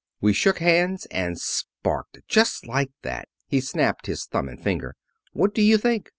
We shook hands and sparked just like that." He snapped thumb and finger. "What do you think!